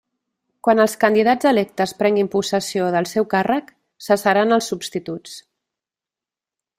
Quan els candidats electes prenguin possessió del seu càrrec, cessaran els substituts.